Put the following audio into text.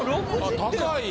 高い。